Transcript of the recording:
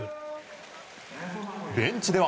ベンチでは。